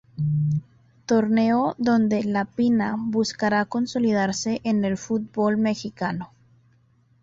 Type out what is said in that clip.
Torneo donde 'La Pina' buscará consolidarse en el Fútbol Mexicano.